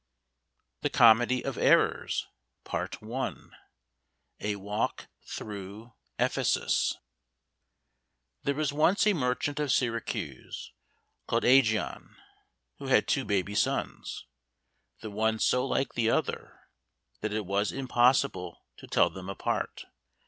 The Comedy of Errors A Walk through Ephesus There was once a merchant of Syracuse called Ægeon, who had two baby sons, the one so like the other that it was impossible to tell them apart.